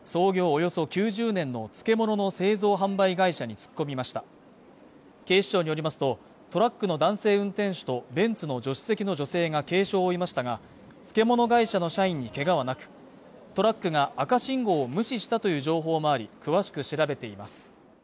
およそ９０年の漬物の製造販売会社に突っ込みました警視庁によりますとトラックの男性運転手とベンツの助手席の女性が軽傷を負いましたが漬物会社の社員に怪我はなくトラックが赤信号を無視したという情報もあり詳しく調べています